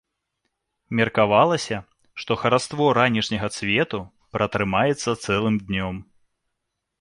Меркавалася, што хараство ранішняга цвету пратрымаецца цэлым днём.